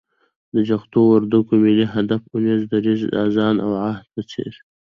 د جغتو، وردگ، ملي هدف اونيزه، دريځ، آذان او عهد په څېر